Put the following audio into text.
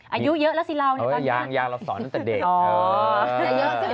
อายุเยอะแล้วสิเราเนี่ยยางยางเราสอนตั้งแต่เด็ก